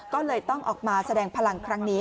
ก็เลยต้องออกมาแสดงพลังครั้งนี้